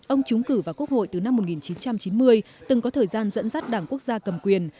ông trúng cử vào quốc hội từ năm một nghìn chín trăm chín mươi từng có thời gian dẫn dắt đảng quốc gia cầm quyền